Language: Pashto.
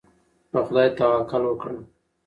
په خدای توکل وکړئ.